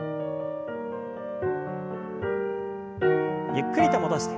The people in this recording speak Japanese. ゆっくりと戻して。